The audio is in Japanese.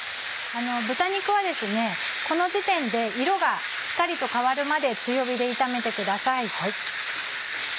豚肉はこの時点で色がしっかりと変わるまで強火で炒めてください。